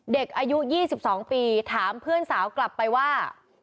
เด็กอายุ๒๒ปีถามเพื่อนสาวกลับไปว่า